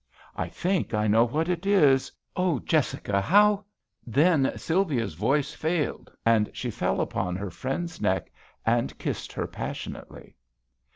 " I think I know what it is. Oh ! Jessica, how " Then Sylvia's voice failed, and she fell upon her friend's neck and kissed her passionately.